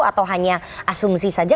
atau hanya asumsi saja